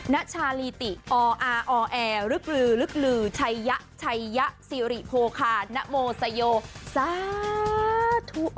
ณชาลีติออาออแอร์ลึกลือลึกลือชัยยะชัยยะสิริโภคานโมสโยสาธุ